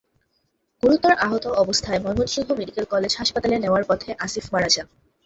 গুরুতর আহত অবস্থায় ময়মনসিংহ মেডিকেল কলেজ হাসপাতালে নেওয়ার পথে আসিফ মারা যান।